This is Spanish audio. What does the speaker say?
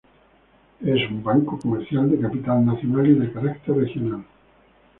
Es un banco comercial de capital nacional y de carácter regional.